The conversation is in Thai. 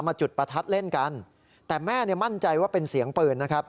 มาจุดประทัดเล่นกันแต่แม่มั่นใจว่าเป็นเสียงปืน